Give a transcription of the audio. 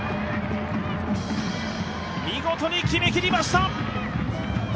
見事に決めきりました！